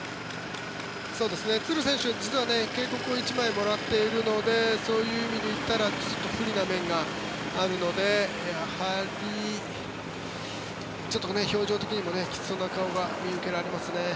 トゥル選手実は警告を１枚もらっているのでそういう意味でいったら不利な面があるのでやはり、表情的にもきつそうな顔が見受けられますね。